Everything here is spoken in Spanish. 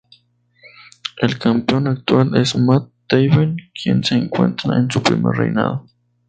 El campeón actual es Matt Taven, quien se encuentra en su primer reinado.